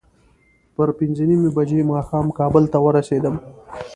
پر پینځه نیمې بجې ماښام کابل ته ورسېدم.